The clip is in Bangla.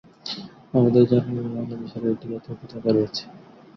আমাদের জন্মভূমি বাংলাদেশেরও একটি জাতীয় পতাকা রয়েছে।